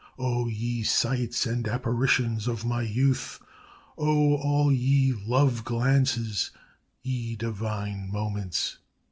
O ye sights and apparitions of my youth! O all ye love glances, ye divine moments!